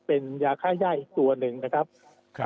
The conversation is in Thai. เป็นยาค่ายได้ตัวหนึ่งนะครับคุณครับ